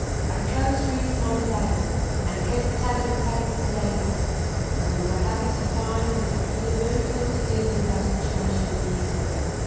I close reefed my sails, and kept tack and tack 'till daylight, when we were happy to find we had drifted very little to leeward of our situation in the evening.